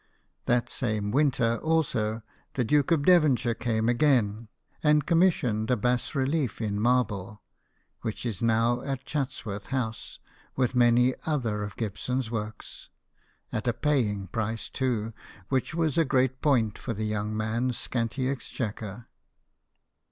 That same winter, also, the Duke of Devonshire came again, and commissioned a bas relief in marble (which is now at Chats worth House, with many other of Gibson's works), at a paying price, too, which was a great point for the young man's scanty exchequer.